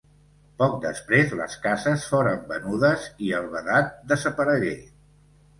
Poc després les cases foren venudes i el vedat desaparegué.